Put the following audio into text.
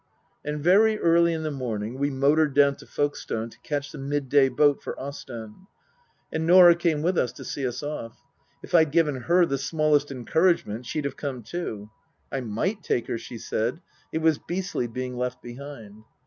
And very early in the morning we motored down to Folkestone to catch the midday boat for Ostend. And Norah came with us to see us off. If I'd given her the smallest encouragement she'd have come too. I might take her, she said ; it was beastly being left behind.